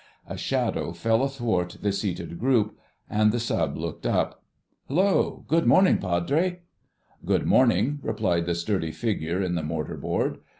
A shadow fell athwart the seated group, and the Sub. looked up. "Hullo! Good morning, Padre!" "Good morning," replied the sturdy figure in the mortar board.